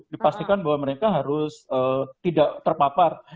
dipastikan bahwa mereka harus tidak terpapar